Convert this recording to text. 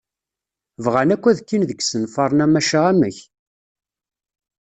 Bɣan akk ad kkin deg yisenfaṛen-a maca amek?